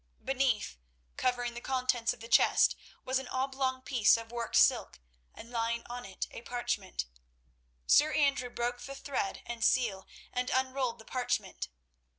Beneath, covering the contents of the chest, was an oblong piece of worked silk, and lying on it a parchment. Sir Andrew broke the thread and seal, and unrolled the parchment.